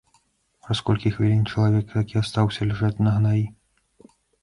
Праз колькі хвілін чалавек так і астаўся ляжаць на гнаі.